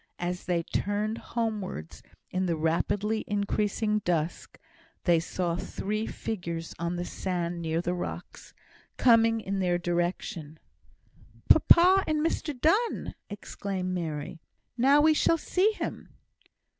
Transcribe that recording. As they turned homewards in the rapidly increasing dusk, they saw three figures on the sand near the rocks, coming in their direction. "Papa and Mr Donne!" exclaimed Mary. "Now we shall see him!"